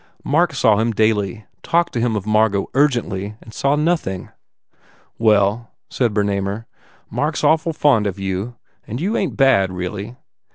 Mark saw him daily, talked to him of Margot urgently and saw nothing. "Well," said Bernamer, "Mark s awful fond of you. And you ain t bad, reelly.